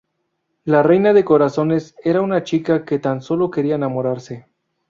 La Reina de corazones era una chica que tan solo quería enamorarse.